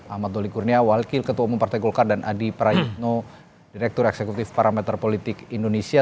ahmad doli kurnia wakil ketua umum partai golkar dan adi prayitno direktur eksekutif parameter politik indonesia